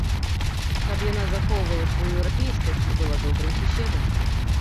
Каб яна захоўвала сваю еўрапейскасць і была добрым суседам.